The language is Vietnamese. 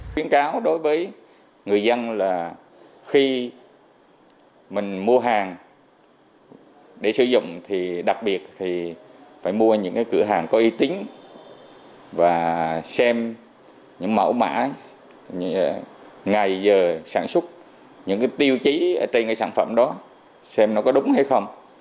quyến cáo đối với người dân là khi mình mua hàng để sử dụng thì đặc biệt thì phải mua những cái cửa hàng có y tính và xem những mẫu mã ngày giờ sản xuất những cái tiêu chí trên cái sản phẩm đó xem nó có đúng hay không